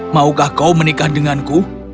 maukah kau menikah denganku